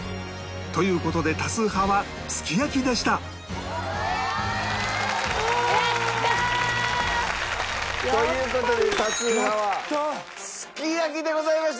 という事で多数派はすき焼きでしたという事で多数派はすき焼きでございました。